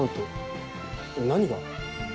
何が？